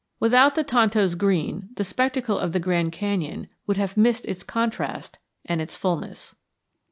Without the Tonto's green the spectacle of the Grand Canyon would have missed its contrast and its fulness.